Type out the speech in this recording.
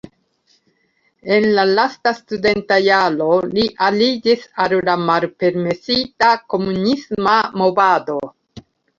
En la lasta studenta jaro li aliĝis al la malpermesita komunisma movado.